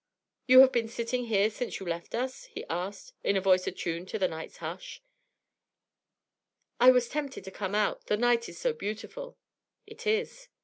'You have been sitting here since you left us?' he asked, in a voice attuned to the night's hush. 'I was tempted to come out; the night is so beautiful.' 'It is.'